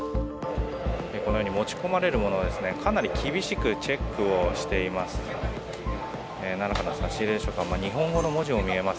このように持ち込まれるものはかなり厳しくチェックをしています。